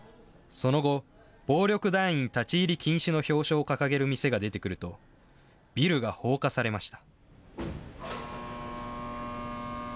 その後、暴力団員立入禁止の標章を掲げる店が出てくると、ビルが放火されました。